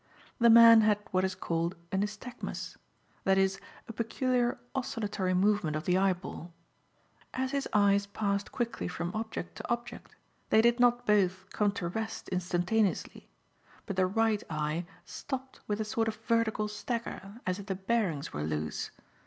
The man had what is called a nystagmus; that is, a peculiar oscillatory movement of the eyeball. As his eyes passed quickly from object to object, they did not both come to rest instantaneously, but the right eye stopped with a sort of vertical stagger as if the bearings were loose.